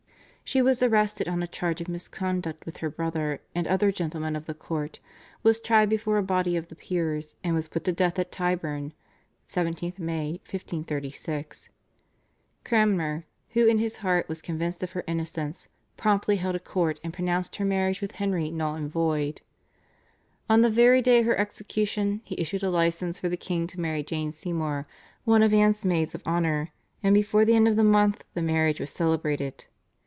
She was arrested on a charge of misconduct with her brother and other gentlemen of the court, was tried before a body of the peers, and was put to death at Tyburn (17th May, 1536). Cranmer, who in his heart was convinced of her innocence, promptly held a court and pronounced her marriage with Henry null and void. On the very day of her execution he issued a license for the king to marry Jane Seymour, one of Anne's maids of honour, and before the end of the month the marriage was celebrated.